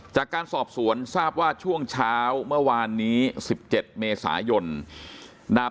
จากการสอบสวนทราบว่าช่วงเช้าเมื่อวานนี้๑๗เมษายน